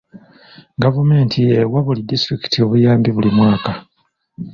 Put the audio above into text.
Gavumenti ewa buli disitulikiti obuyambi buli mwaka.